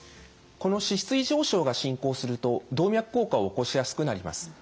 この脂質異常症が進行すると動脈硬化を起こしやすくなります。